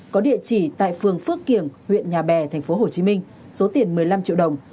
có địa chỉ tại phường phước kiểng huyện nhà bè thành phố hồ chí minh số tiền một mươi năm triệu đồng